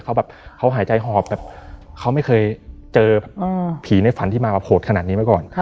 เขาแบบเขาหายใจหอบแบบเขาไม่เคยเจอผีในฝันที่มาแบบโหดขนาดนี้มาก่อน